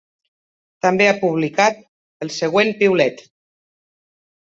També ha publicat el següent piulet.